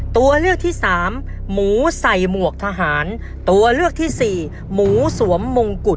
ตัวเลือกที่สามหมูใส่หมวกทหารตัวเลือกที่สี่หมูสวมมงกุฎ